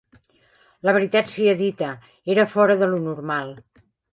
La veritat sia dita, era fora de lo normal